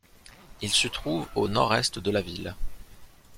Il se trouve au nord-est de la ville.